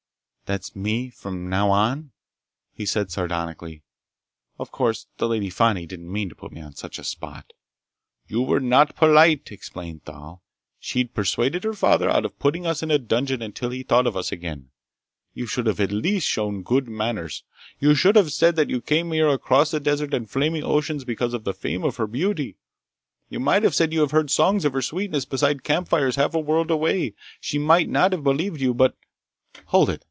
"That's me from now on?" he said sardonically. "Of course the Lady Fani didn't mean to put me on such a spot!" "You were not polite," explained Thal. "She'd persuaded her father out of putting us in a dungeon until he thought of us again. You should at least have shown good manners! You should have said that you came here across deserts and flaming oceans because of the fame of her beauty. You might have said you heard songs of her sweetness beside campfires half a world away. She might not have believed you, but—" "Hold it!"